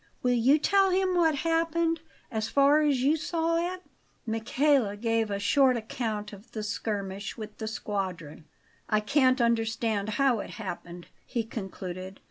Will you tell him what happened, as far as you saw it?" Michele gave a short account of the skirmish with the squadron. "I can't understand how it happened," he concluded.